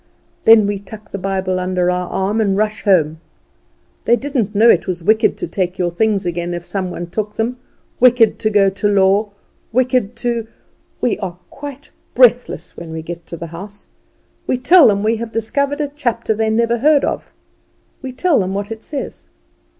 Then we tuck the Bible under our arm and rushed home. They didn't know it was wicked to take your things again if some one took them, wicked to go to law, wicked to ! We are quite breathless when we get to the house; we tell them we have discovered a chapter they never heard of; we tell them what it says.